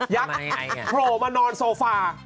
ยักษ์โพลมานอนโซฟา